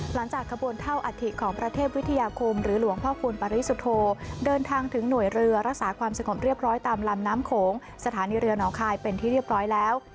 หลังจากขบวนเท่าอัฐิของพระเทพวิทยาคมหรือหลวงพ่อคูณปริสุทธโธเดินทางถึงหน่วยเรือรักษาความสงบเรียบร้อยตามลำน้ำโขงสถานีเรือหนองคายเป็นที่เรียบร้อยแล้ว